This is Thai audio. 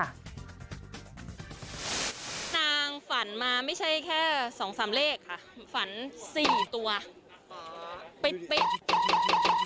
นางฝันมาไม่ใช่แค่๒๓เลขค่ะ